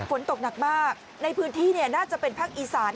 ฝนตกหนักมากในพื้นที่น่าจะเป็นภาคอีสาน